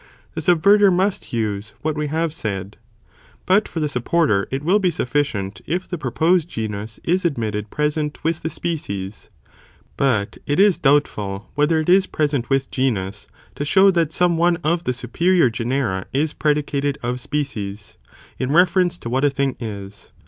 The subverter must use what we have said, but for the supporter it will be sufficient (if the pro posed genus is admitted present with the species, but it is doubtful whether it is present with genus) to show that some one of the superior genera is predicated of species, in reference to what a thing is.